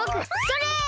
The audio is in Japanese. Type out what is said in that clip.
それ！